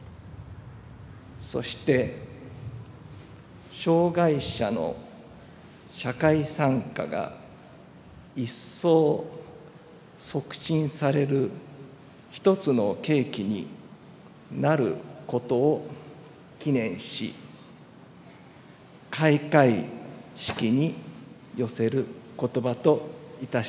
そして、障害者の社会参加が一層促進される一つの契機になることを祈念し開会式に寄せる言葉といたします。